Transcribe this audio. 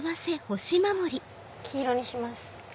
黄色にします。